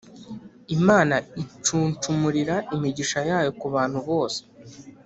imana icunshumurira imigisha yayo ku bantu bose